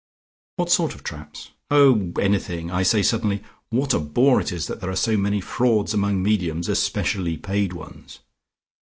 "What sort of traps?" "Oh, anything. I say suddenly, 'What a bore it is that there are so many frauds among mediums, especially paid ones.'